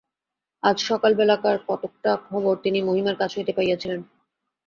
আজ সকালবেলাকার কতকটা খবর তিনি মহিমের কাছ হইতে পাইয়াছিলেন।